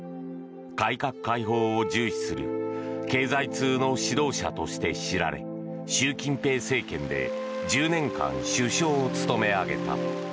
改革開放を重視する経済通の指導者として知られ習近平政権で１０年間首相を務め上げた。